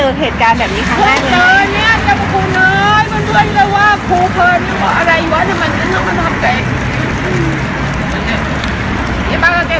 มันกลับมาหวานในโลกเก่งแล้วมันเก่ง